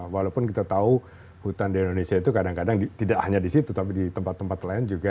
walaupun kita tahu hutan di indonesia itu kadang kadang tidak hanya di situ tapi di tempat tempat lain juga